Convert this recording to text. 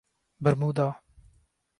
Bermuda